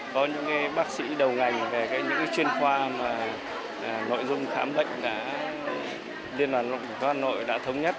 có những bác sĩ đầu ngành về những chuyên khoa mà nội dung khám bệnh đến hà nội đã thống nhất